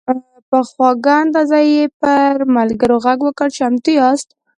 په خواږه انداز یې پر ملګرو غږ وکړ: "چمتو یاست؟"